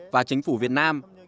và chính phủ việt nam